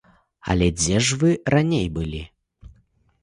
Але дзе ж вы раней былі?